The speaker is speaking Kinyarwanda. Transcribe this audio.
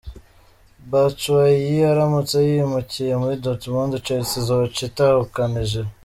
Batshuayi aramutse yimukiye muri Dortmund, Chelsea izoca itahukana Giroud.